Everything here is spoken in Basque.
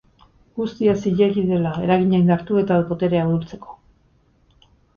Guztia zilegi dela eragina indartu eta boterea ahultzeko.